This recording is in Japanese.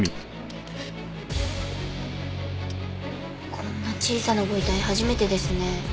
こんな小さなご遺体初めてですね。